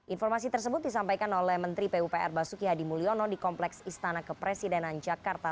informasi tersebut disampaikan oleh menteri pupr basuki hadi mulyono di kompleks istana kepresidenan jakarta